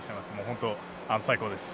本当に最高です。